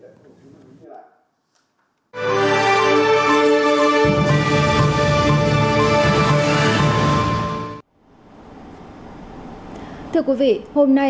thưa quý vị hôm nay chúng tôi sẽ giới thiệu với các quý vị về tình hình phòng chống tội phạm